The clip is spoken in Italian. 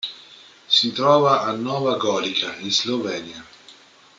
Si trova a Nova Gorica, in Slovenia.